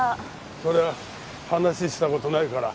そりゃあ話しした事ないから。